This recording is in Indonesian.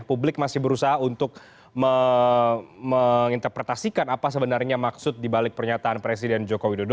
publik masih berusaha untuk menginterpretasikan apa sebenarnya maksud dibalik pernyataan presiden joko widodo